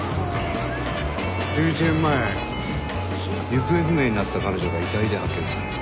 １１年前行方不明になった彼女が遺体で発見された。